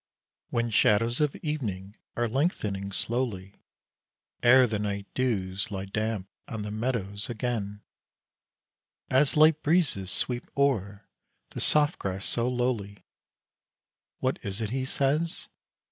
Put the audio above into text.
When shadows of evening are lengthening slowly, Ere the night dews lie damp on the meadows again; As light breezes sweep o'er the soft grass so lowly, What is it he says?